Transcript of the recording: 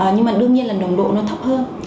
nhưng mà đương nhiên là nồng độ nó thấp hơn